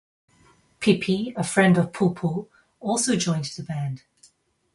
Pipi, a friend of Pulpul, also joined the band.